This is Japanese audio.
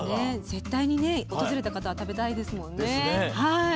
絶対に訪れた方は食べたいですよね。